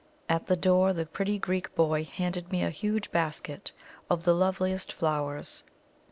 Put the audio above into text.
At the door the pretty Greek boy handed me a huge basket of the loveliest flowers.